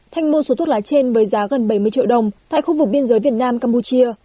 thanh mua số thuốc lá trên với giá gần bảy mươi triệu đồng tại khu vực biên giới việt nam campuchia